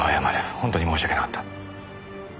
本当に申し訳なかった。